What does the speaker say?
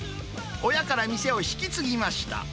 親から店を引き継ぎました。